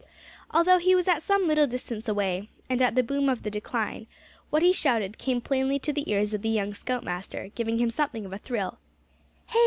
Although he was at some little distance away, and at the bottom of the decline, what he shouted came plainly to the ears of the young scoutmaster, giving him something of a thrill: "Hey!